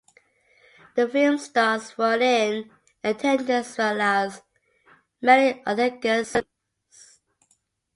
The film's stars were in attendance as well as many other guest celebrities.